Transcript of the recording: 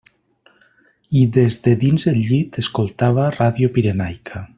I des de dins el llit escoltava Ràdio Pirenaica.